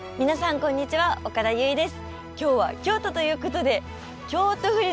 こんにちは岡田結実です。